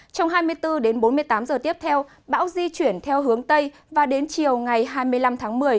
trong hai mươi bốn đến bốn mươi tám giờ tiếp theo bão di chuyển theo hướng tây và đến chiều ngày hai mươi năm tháng một mươi